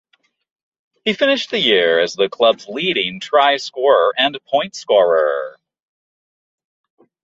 He finished the year as the club's leading try-scorer and point-scorer.